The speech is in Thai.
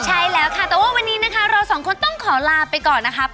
ใช่แล้วแต่ว่าวันนี้เรา๒คนต้องขอลาไปก่อนนะครับ